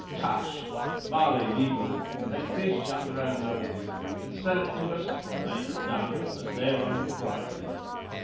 Tush Mare liberum, they fish under our noses, and sell it to us when they have done, at their own prices.